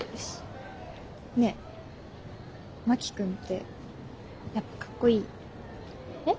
ねえ真木君ってやっぱかっこいい？え。